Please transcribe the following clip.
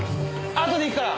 あとで行くから！